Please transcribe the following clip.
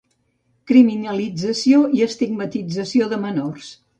Criminalització i estigmatització de menors.